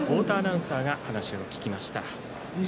太田アナウンサーが話を聞きました。